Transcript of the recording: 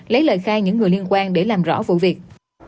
lấy lời khai những người liên quan để làm rõ vụ việc